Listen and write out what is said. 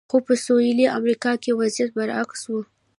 خو په سویلي امریکا کې وضعیت برعکس و.